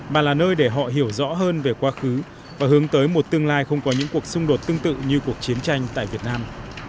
mà là nơi để họ hiểu rõ hơn về quá khứ và hướng tới một tương lai không có những cuộc xung đột tương tự như cuộc chiến tranh tại việt nam